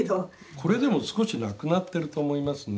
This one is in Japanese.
これでも少しなくなってると思いますね。